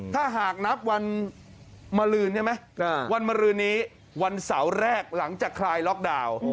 ถ้าหากนับวันมาลืนใช่ไหมวันมารืนนี้วันเสาร์แรกหลังจากคลายล็อกดาวน์